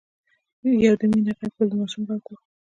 يو د مينې غږ بل د ماشوم غږ و.